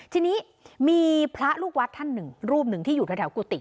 ทีนี้มีพระลูกวัดท่านหนึ่งรูปหนึ่งที่อยู่แถวกุฏิ